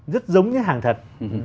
rất giống cái hàng thật